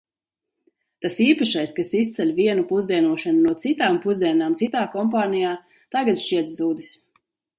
Tas īpašais, kas izceļ vienu pusdienošanu no citām pusdienām citā kompānijā, tagad šķiet zudis.